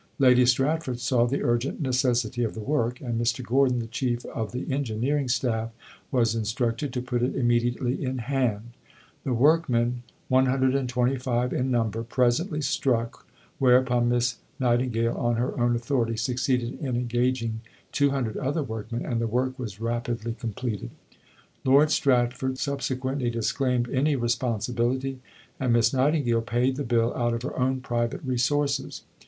Lady Stratford saw the urgent necessity of the work, and Mr. Gordon, the chief of the engineering staff, was instructed to put it immediately in hand. The workmen, 125 in number, presently struck, whereupon Miss Nightingale, on her own authority, succeeded in engaging 200 other workmen, and the work was rapidly completed. Lord Stratford subsequently disclaimed any responsibility, and Miss Nightingale paid the bill out of her own private resources.